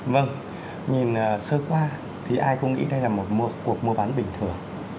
vâng nhìn sơ qua thì ai cũng nghĩ đây là một cuộc mua bán bình thường